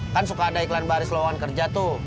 kan suka ada iklan baris lawan kerja tuh